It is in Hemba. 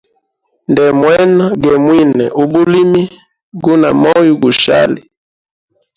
Ndemwena ge mwine u bulimi, guna moyo gushali.